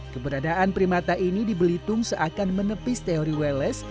keberadaan primata ini dibelitung seakan menepis teori welles